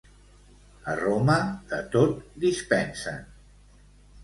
A Roma de tot dispensen.